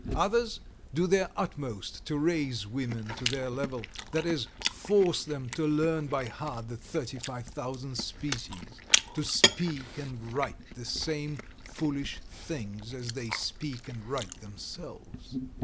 Others do their utmost to raise women to their level, that is, force them to learn by heart the 35,000 species, to speak and write the same foolish things as they speak and write themselves."